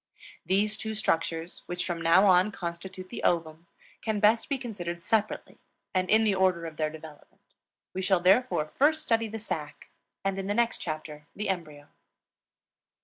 These two structures, which from now on constitute the ovum, can best be considered separately and in the order of their development. We shall therefore first study the sac and in the next chapter the embryo.